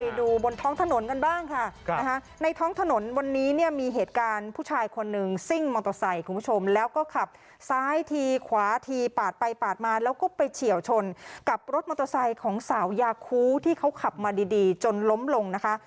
ดูบนท้องถนนกันบ้างค่ะนะคะในท้องถนนวันนี้เนี่ยมีเหตุการณ์ผู้ชายคนหนึ่งซิ่งมอเตอร์ไซค์คุณผู้ชมแล้วก็ขับซ้ายทีขวาทีปาดไปปาดมาแล้วก็ไปเฉียวชนกับรถมอเตอร์ไซค์ของสาวยาคูที่เขาขับมาดีดีจนล้มลงนะคะ